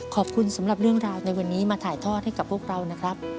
ขอบคุณสำหรับเรื่องราวในวันนี้มาถ่ายทอดให้กับพวกเรานะครับ